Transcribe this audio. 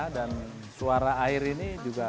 dan suara air ini juga